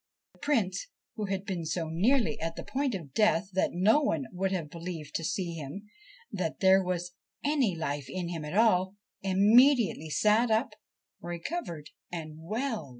The Prince, who had been so nearly at the point of death that no one would have believed to see him that there was any life in him at all, immediately sat up, recovered and well.